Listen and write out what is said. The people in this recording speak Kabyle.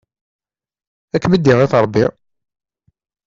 Ad kem-id-iɣit Rebbi!